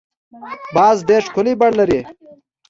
باز ډېر ښکلی بڼ لري